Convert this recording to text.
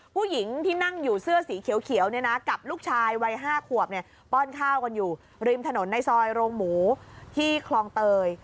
ผู้หญิงที่นั่งอยู่เสื้อสีเขียวเนี่ยนะกับลูกชายวัย๕ขวบเนี่ยป้อนข้าวกันอยู่ริมถนนในซอยโรงหมูที่คลองเตย